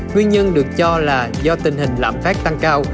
nguyên nhân được cho là do tình hình lạm phát tăng cao